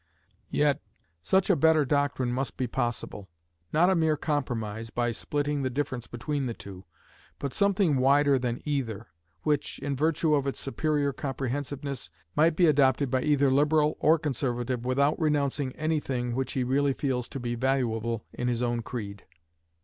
Yet such a better doctrine must be possible; not a mere compromise, by splitting the difference between the two, but something wider than either, which, in virtue of its superior comprehensiveness, might be adopted by either Liberal or Conservative without renouncing any thing which he really feels to be valuable in his own creed.